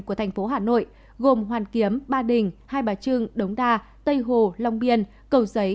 của tp hà nội gồm hoàn kiếm ba đình hai bà trương đống đa tây hồ long biên cầu giấy